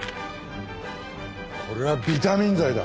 これはビタミン剤だ。